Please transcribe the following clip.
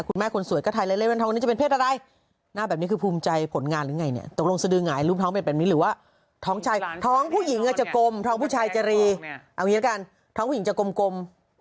หู้ชายจะลีท้องผู้หญิงจะกลม